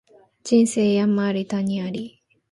人生山あり谷あり